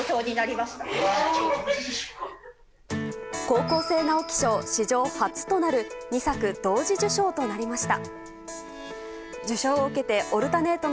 高校生直木賞史上初となる２作同時受賞となりました。